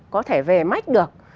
có thể về mách được